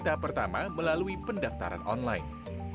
tahap pertama melalui pendaftaran online